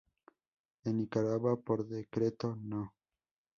En Nicaragua, por Decreto No.